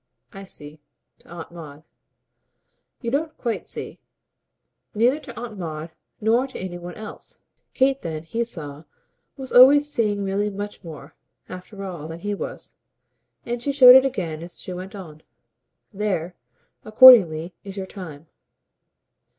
"I see. To Aunt Maud." "You don't quite see. Neither to Aunt Maud nor to any one else." Kate then, he saw, was always seeing Milly much more, after all, than he was; and she showed it again as she went on. "THERE, accordingly, is your time."